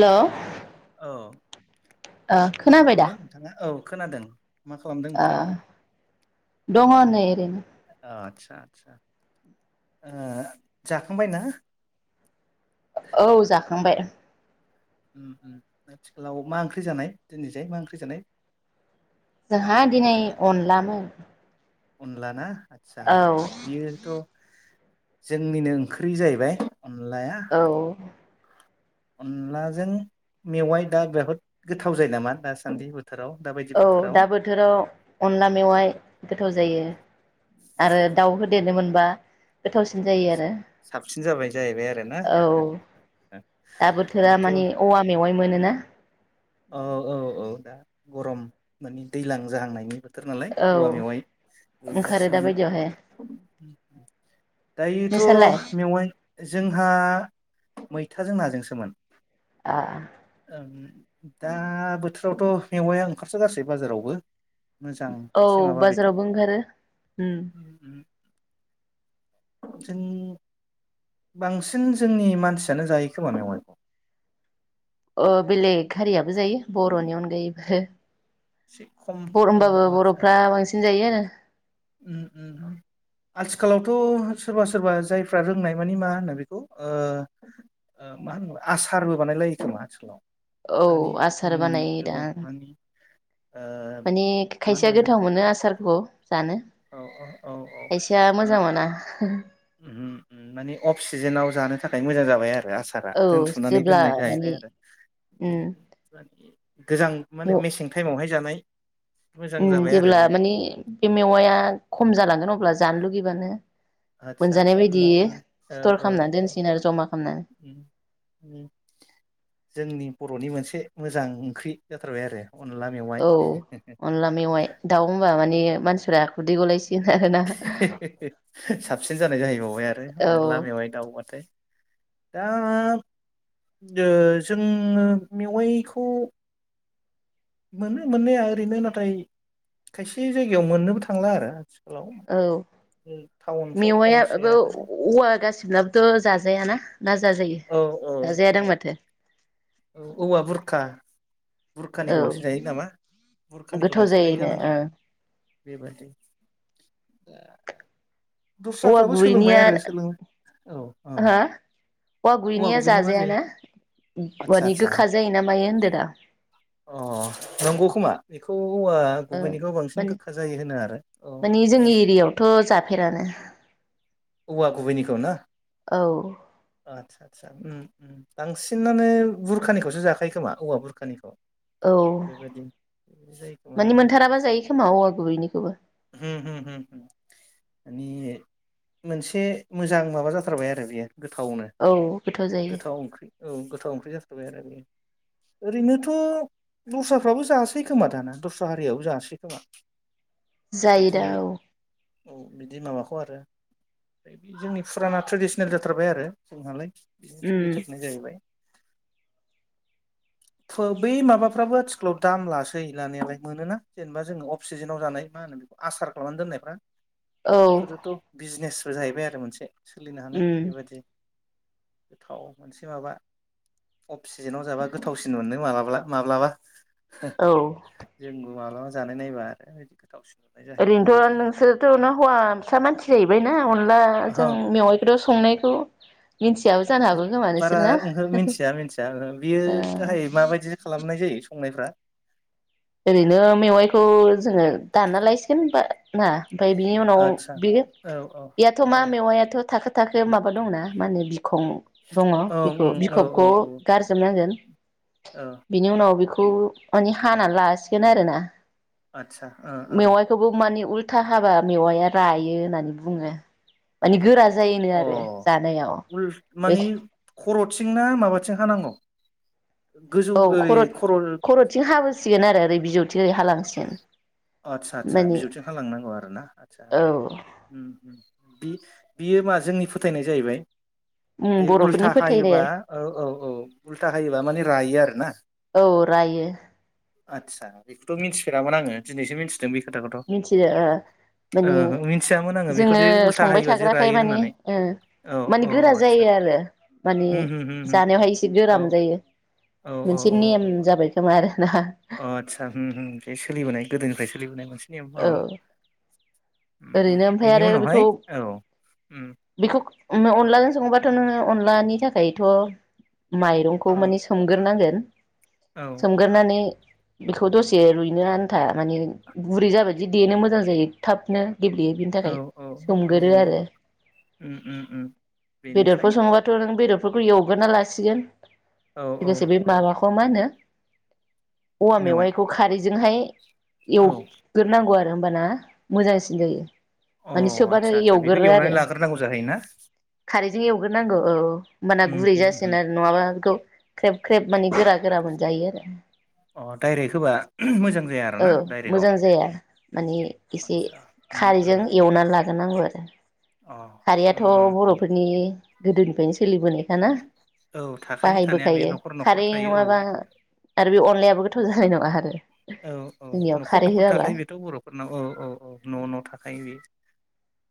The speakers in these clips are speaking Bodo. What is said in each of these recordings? हेल'? औ मा खोनाबाय दा खालामदों नोंथाङा? औ खोनादों। मा खालामदों ओ नोंथाङा? दङ नै ओरैनो आचसा आचसा। ओ जाखांबाय ना? औ जाखांबाय। ओम आथिखालाव मा ओंख्रि जानाय दिनैजाय मा ओंख्रि जानाय? जोंहा दिनै अनलामोन। अनला ना? आतसा औ बियोथ' जोंनिनो ओंख्रि जाहैबाय अनलाया औ। अनलाजों मेवाइ दा बेहुत गोथाव जायो नामा दासान्दि बोथोराव दाबायदि औ बोथोराव दा बोथोराव अनला मेवाइ गोथाव जायो आरो दाउ होदेरनो मोनबा गोथावसिन जायो आरो। साबसिन जाबाय जाहैबाय आरोना औ दा बोथोरा बेथ' माने औवा मेवाइ मोनोना औ औ औ दा गरम माने दैज्लां जाहांनायनि बो थोर नालाय औ औवा मेवाइ ओंखारो ओंखारसै दा बायदियावहाय नालाय। नोंसालाय दायोथ' मेवाइ जोंहा मैथाजों नाजोंसोमोन। आ ओं। दा बोथोरावथ' मेवाया ओंखारसोगारसै बाजारावबो। मोजां औ मोनसे माबा बेथ' बाजारावबो ओंखारो ओम। जों बांसिन जोंनि मानसियानो जायो खोमा मेवाइखौ ओ बेलेग हारियाबो जायो बरनि अनगायैबो एसे खम बर' औ होमबाबो बर'फ्रा बांसिन जायो आरो [inaudible] ओम ओम ओम आथिखालावथ सोरबा सोरबा जायफ्रा रोंनाय माने मा होनो बेखौ ओ ओ मा होनो आसारबो बानायलायो खोमा आथिखालाव औ दानि आसार उम जुगाव बानायोदां मानि ओ माने मा खायसेया होनगोन बेखौ गोथाव मोनो आसारखौ जानो औ औ औ औ खायसेया मानि मोजां [unintelligible] ओम ओम माने अफ सिजोनाव जानो थाखाय मोजां जाबाय आरो आरो आसारा औ दोनथुमनानै जेब्ला दोननाय माने जाहैबाय आरो ओम उम ओम गोजां माने मेसें टाइमावहाय जानाय [inaudible] ओम जाबाय आरो जेब्ला बेयो मानि बे मेवाया खम जालांगोन अब्ला जानो लुगैबानो आदसा मोनजानाय आदसा बायदि उम स्टर खामना दोनसिगोन आरो जमा खालामनानै ओम ओम जोंनि बर'नि मोनसे से मोजां ओंख्रि जाथारबाय आरो अनला मेवाइ औ अनला मेवाइ दाउ होनबा माने मानसिफ्रा खुदै गलायसि साबसिन जानाय जाहैबावबाय आरो औ अनला मेवाइ दाउबाथाय दा ओ जोङो मेवाइखौ मोनो मोननाया ओरैनो नाथाय खायसे जायगायाव मोननोबो थांला आरो आथिखालाव औ टाउनफ्राव मेवाया खमसै बो औ आरो औ-औवा गाससिबब्लाबोथ' जाजायाना? ना जाजायो औ औ औ जाजायादां माथो? औ औवा बुरखा औ बुरखानिखौ बांसिन जायो नामा बुरखानिखौ गोथाव बांसिन जायो जायोनो जानांगौ ओं बेबादि। [inaudible] औवा गुबैनिया औ औ हा औवा औवा गुबैनिया मा जाजाया जायो ना? आदसा आचसा अ नंगौ खोमा बेखौ औवा ओ गुबैनिखौ बांसिन माने गोखा जायो होनो आरो औ औ फेरानो औवा गुबैनिखौ ना? औ आससा बांसिनानो बुरखानिखौसो जाखायो खोमा औवा बुरखानिखौ? औ बेबायदि जायो खोमा मानि मोनथाराबा जायो खोमा औवा गुबैनिखौबो। हुम हुम हुम माने मोनसे मोजां माबा जाथारबाय आरो बियो। गोथावनो औ जायो गोथाव ओंख्रि औ गोथाव ओंख्रि जाथा आरो ओरैनोथ' दस्राफ्राबो जासै खोमा दाना दस्रा हारियो जासै खोमा। बिदि जायोदा औ। औ बिदि माबाखौ आरो ओफ्राय बे जोंनि फुराना ट्रेडिसनेल जाथारबाय आरो जोंहालाय बेजों उम सोलिथारनाय जाहैबाय। बै माबाफ्राबो आथिखालाव दाम लासै लानायालाय मोनोना जेनेबा जोङो अफ सिजेनाव जानाय मा होनो बे आसार खालामनानै दोननायफ्रा औ बेफोरोथ' बिजिनेस जाहैबाय आरो मोनसे सोलिनो हानाय उम बेबादि गोथाव मोनसे माबा अफ सिजेनाव जाबा गोथावसिन मोनो मालाब्ला माब्लाबा। औ जों मालाबा जानाय नायबा आरो बिदि गोथावसिन मोननाय जाहैयो ओरैनोथ' बेबायदि नोंसोरथ' न हौवा सा मानसि जाहैबायना? अनला अ जों मेवायखौथ संनायखौ मिथियाबो जानो हागौ खोमा बारा नोंसोर ना ओं [inaudible] मिथिया मिथिया बियो ओ थाखाय माबायदि खालामनाय जायो। संनायफ्रा ओरैनो मेवाइखौ जोङो दानना लायसिगोन बा ना ओमफफ्राय बिनि उनाव आदसा बे औ औ बेयाथ' मा औ मेवायाथ' थाखो। थाखो माबा दंना मा होनो बिख। खं दङ औ बेखौ उम औ औ बिखबखौ औ गारजोबनांगोन औ बिनि उनाव बिखौ माने। थानाल लासिगोन आरोना। आदसा ओ मेवाइखौबो मानि उल। था हाबा मेवाया रायो होननानै बुङो माने गोरा। जायो नो ओ आरो अ जानायाव उल बे। माने खर'थिं ना माबाथिं हानांगौ। गोजौ औ ओरै खर' खर'थिं हाबो‌। सिगोन आरो ओरै बिजौ। आस्सा आदसा माने बिजौथिं ह लांनांगौ आरो ना आचसा औ बि। बियो मा जोंनि फोथायनाया जाहैबाय। उम बे बर'फोरनि उल्था हायोबा फोथायनाय औ औ औ उल्था हायोबा माने रायो आरो ना औ रायो आदसा। थ' मिथिफेरामोन आङो दिनैसो मिथि मिथियो ओ माने ओ मिथियामोन आङो जोङो बेखौदि उल्था संबाय हायोबा जे थाग्राखाय रायो माने होननानै ओ औ माने गोरा औ जायो आरो आदसा माने होम होम होम होम जानायावहाय एसे औ गोरा मोनजायो औ औ मोनसे नेम औ औ जाबाय खोमा आरोना। अ आदसा हुम हुम बे सोलिबोनाय गोदोनि। निफ्राय सोलिबोनाय मोनसे। नेम औ‌। औ ओरैनो ओमफ्राय आरो बेखौ उम बेखौ अनलाजों सङोबा थ' नोङो अनलानि थाखायथ' माइरंखौ औ माने सोमग्रोनांगोन औ सोमग्रोनानै बेखौ दसे रुइनो आन्था माने बुरै जाबायदि देनो मोजां जायो थाबनो गेब्लेयो बिनि औ थाखाय औ औ सोमगोरो आरो उम उम उम बेनिफ्राय बेदरफोर सङोबाथ' नों बेदर बेफोरखौ एवगोरना लासिगोन औ लोगोसे बे औ माबाखौ मा होनो औवा मेवाइ मेवाइखौ खारैजोंहाय औ एवग्रोरनांगौ आरो। होमबा ना मोजांसिन सिन जायो। अ माने सोबानो आदसा आदसा बेखौ एवगोरो एवनानै लाग्रोनांगौ जाहैयोना। गदिनो एवग्रोनांगौ औ औ। होमबाना गुरै जासिगोन उम आरो नङाबा बेखौ ख्रेब- ख्रेब माने गोरा गोरा मोनजायो आरो अ डाइरेक्ट होबा मोजां जाया औ आरोना डाइरेक्टआव मोजां जाया माने एसे आदसा उम खारैजों उम एवनानै लागोन [unintelligible] अ खारैयाथ' उम उम उम बर'फोरनि गोदोनिफ्रायनो सोलिबोनायखाना औ थाखायो थानाया बे बाहायबोखायो न'खर न'खर खारै थायो नङाबा औ आरो बे अनलायाबो [unintelligible] जानाय नङा आरो। औ औ जोंनियाव न'खर खारै न'खर होआबा थाखायो बेथ' बर'फोरनाव औ औ औ न' न' थाखायो बे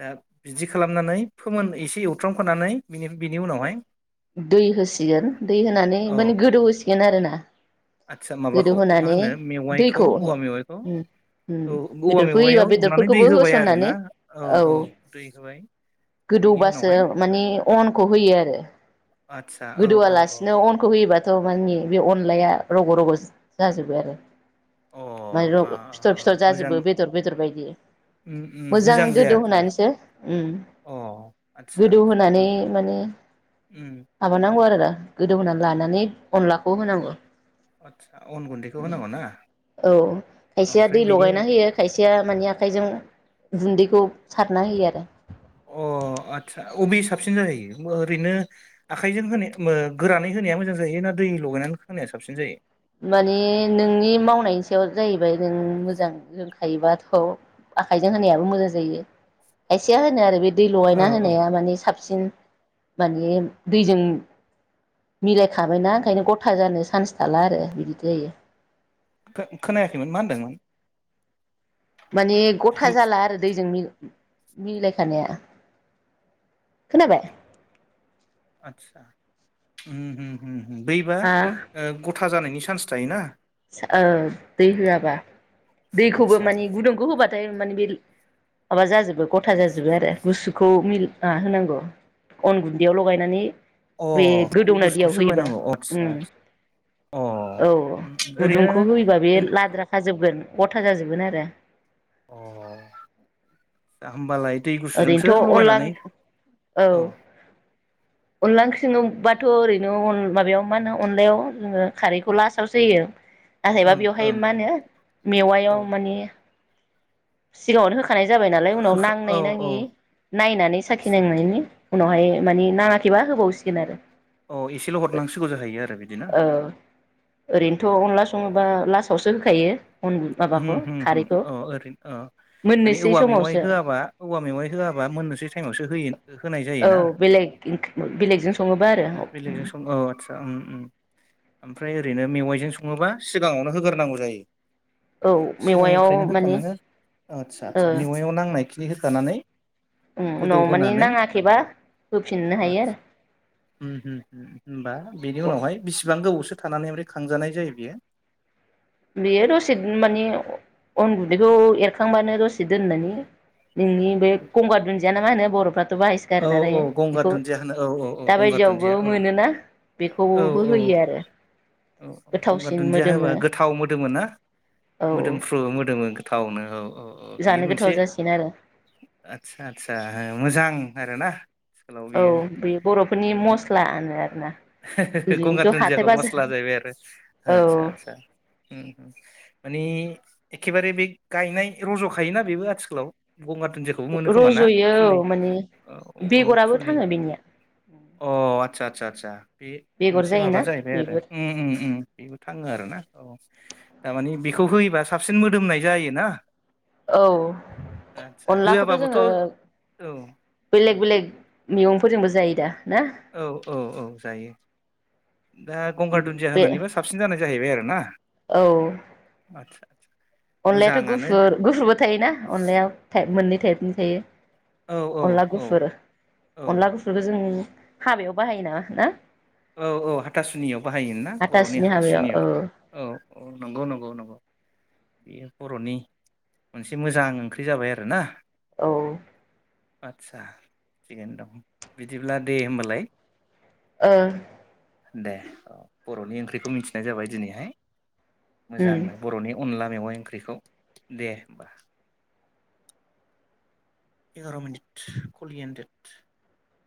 दा बिदि खालामनानै फोमोन एसे एवथ्रामखानानैनि बिनि उनावहाय दै होसिगोन दै होनानै औ माने गोदौहोसिगोन आरोना। आदसा माबाखौ मा गोदौहानै होनो मेवाइखौ दैखौ ओम औवा मेवाइखौ ओम औ औवा बेदरफोर होयोबा मेवायाव एवनानै दै बेदरफोरखौबो होबाय आरो होसननानै ना औ दै होबाय बिनि गोदौबासो उनावहाय मानि अनखौ होयो आरो आदसा औ औ गोदौआलासिनो अनखौ होयोबाथ' माने बे अनलाया रग' रग' जाजोबो आरो। औ माइरं अ आ फिथ'र आ फिथ'र मोजां जाजोबो बेदर बेदर बायदि उम उम मोजां गोदौ जायाथार होनानैसो उम अ आदसा गोदौ आदसा होनानै उम माने उम माबानांगौ आरो। गोदौ होनानै लानानै अनलाखौ होनांगौ। आदसा अन गुन्दैखौ उम होनांगौ ना औ खायसेया ओमफ्राय दै बेनि लगायना उनाव होयो खायसेया माने आखाइजों गुन्दैखौ सारना होयो आरो। अ आत्सा अबे साबसिन जायो ओरैनो आखाइजों होनाय ओ गोरानै होनाया मोजां जायो ना दै लगायनानै होनाया साबसिन जायो? मानि नोंनि मावनायनि सायाव जाहैबाय नों मोजां रोंखायोबाथ' आखाइजों होनायाबो मोजां जायो खायसेया होनो आरो बे दै औ लगायना औ होनाया माने साबस बांसिन माने दैजों मिलायखाबायना ओंखायनो गथा जानो सान्स थाला आरो। बिदि जायो। खो खोनायाखैमोन मा होनदोंमोन? माने गथा हेल जाला आरो दैजों मिल मिलायखानाया खोनाबाय? आत्सा। उम हम हम। दैबा हा ओ गथ था जानायनि चान्स थायोना। सा ओ दै होआबा दैखौबो आदसा माने गुदुंखौ होबा हाथाय माने बे माबा जाजोबो गथा जाजोबो आरो गुसुखौ मिल ओ होनांगौ। अन गुन्दैयाव लगायनानै अ बे गुसु गोदौनाय दैयाव गुसखौसो होयोबा गलायनांगौ आस्सा उम सा अ औ उम उम। गुदुंखौ होयोबा बे लाद्राखाजोबगोन। गथा जाजोबगोन आरो। अ [inaudible] दा होमबालाइ ओरैनोथ' अनला औ अनला ओंख्रिबाथ' ओरैनो अन माबायाव मा होनो अनलायाव जोङो खारैखौ लास्टआवसो होयो। नाथायबा ओं बेवहाय ओं मा होनो मेवायाव औ माने सिगाङावनो होखा खानाय जाबाय नालाय उनाव औ नांनाय औ नाङै नायनानै साखि आदसा नांनायनि उनावहाय मानि ना खैबा होबावसिगोन आरो। औ एसेल' हरनांसिगौ जाहैयो आरो बिदि ना ओ ओरैनोथ' अनला सङोबा लासआवसो हो थायो उम हम हम औ ओरैनो अ माने मोननोसै औवा मेवाइ समावसो होआबा औवा मेवाइ होआबा मोननोसै टाइमावसो होयो होनाय औ जायोना। [unintelligible] बेलेगजों सङोबा आरो उम। बेलेगजों सं औ आदसा उम ओमफ्राय ओरैनो मेवाइजों सङोबा सिगाङावनो होग्रनांगौ जायो। औ मेवायाव सिगांनिफ्रायनो माने होखानाङो आदसा ओ -आदसा मेवायाव नांनाय खिनि होखानानै गोदौ उनाव माने होनानै नाङाखैबा होफिननो हायो आदबा आरो हम-हम होनबा बेनि उनावहाय बि बिसिबां गोबावसो थानानै ओमफ्राय खांजानाय जायो बेयो? बेयो दसेनो माने उन गन्दैखौ एरखांबानो दसे दोनबानो नोंनि बे गंगार दुन दिमा ना मा होनो बर' ' बाहायस औ गारोना दायो औ गंगार बेखौ दुन्दिया होनो औ औ औ दा गंगार बायदियावबो दुन्दिया औ मोनोना औ बेखौबो होयो आरो गोथावसिन मोदोमो मो ना औ मोदोमफ्रु मोदोम मो गोथावनो औ। अ -अ बेयो जानो गोथाव मोनसे जासिगोन आरो आचसा -आचसा मोजां आरोना आथिखालाव औ बियो बे बर'फोरनि मस्लानो आरो हो-हो गंगार दुन्दियाखौ मस्ला जाहैबाय आरो आदसा- औ आदसा माने एखेबारे बे गायनाय रज' खायोना बेबो आथिखालाव। गंगार दुुनदियाखौबो मोनो खोमा ना रज'यो फुलि औ माने औ बेगराबो फुलि थाङो बेनिया अ आ आदचा- आदचा बे बेगर मोनसे माबा जायोना जाहैबाय आरो बेबो अम -अम - अम बेबो थाङो आरो ना। औ थारमाने बेखौ होयोबा साबसिन मोदोमनाय जाय ना। औ अनलाखौथ' होआबाबोथ' जोङो औ औ बेलेग -बेलेग मैगं फोरजोंबो जायो दा? ना औ औ औ जायो। दा गंगार दुन्दिया बे होननानैबो साबसिन जानाय जाहैबाय आरो ना? औ। आदसा आसा [unintelligible] अनलायाथ' गुफुर गुफुरबो थायोना अनलाया था मोननै थायपनि थायो। औ औ अनला औ गुफुर औ अनला गुफुरखौ जों हाबायाव बाहायोना ना? औ औ हाथासुनियाव बाहायोना बर'नि हाथासुनि हाबायाव हाथासुनियाव औ औ औ नंगौ नंगौ नंगौ बेयो बर'नि मोनसे मोजां ओंख्रि जाबाय आरो ना। औ। आच्छा थिगैनो दं बिदिब्ला दे होमबालाय ओ दे औ बर'नि ओंख्रिखौ मिथिनाय जाबाय दिनैहाय। उम मोजांनो बर'नि अनला मेवाइ ओंख्रिखौ दे ओमबा। एगार' मिनिट कलियन्डेड